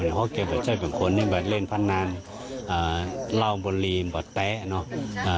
เพราะเกเดี๋ยวแจ้เป็นคนนี่เล่นพันนานเล่าบนลีนแล้วแย่